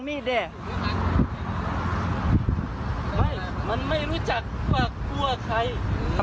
มีคลิปก่อนนะครับ